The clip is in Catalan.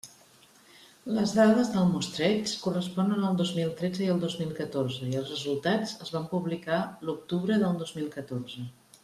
Les dades del mostreig corresponen al dos mil tretze i al dos mil catorze i els resultats es van publicar l'octubre del dos mil catorze.